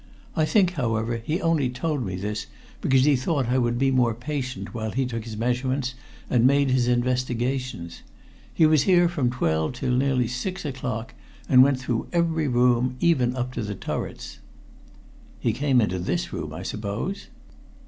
I think, however, he only told me this because he thought I would be more patient while he took his measurements and made his investigations. He was here from twelve till nearly six o'clock, and went through every room, even up to the turrets." "He came into this room, I suppose?"